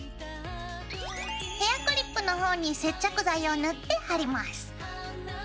ヘアクリップの方に接着剤を塗って貼ります。